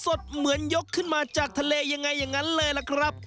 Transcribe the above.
เหมือนยกขึ้นมาจากทะเลยังไงอย่างนั้นเลยล่ะครับ